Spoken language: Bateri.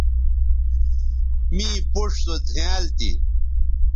می پوڇ سو زھیائنل تھی